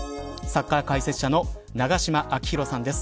サッカー解説者の永島昭浩さんです。